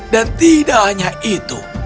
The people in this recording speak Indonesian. dan tidak hanya itu